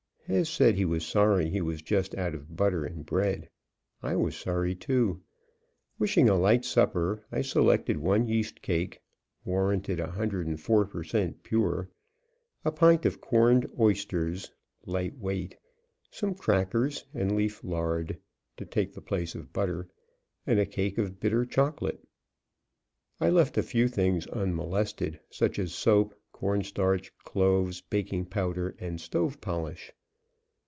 Hez said he was sorry he was just out of butter and bread. I was sorry, too. Wishing a light supper, I selected one yeast cake (warranted 104 per cent. pure), a pint of corned oysters (light weight), some crackers, and leaf lard, to take the place of butter, and a cake of bitter chocolate. I left a few things unmolested; such as soap, cornstarch, cloves, baking powder and stove polish.